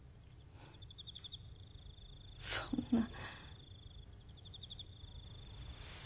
そんな。